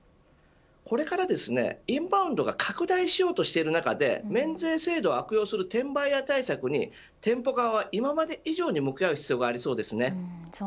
これからインバウンドが拡大しようとしている中で免税制度を悪用する転売ヤー対策に店舗側は今まで以上に向き合う必要がありそうですね。